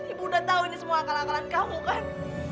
ibu udah tahu ini semua akal akalan kamu kan